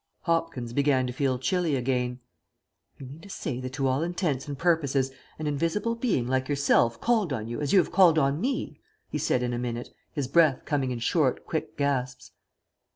Hopkins began to feel chilly again. "You mean to say that to all intents and purposes, an invisible being like yourself called on you as you have called on me?" he said in a minute, his breath coming in short, quick gasps.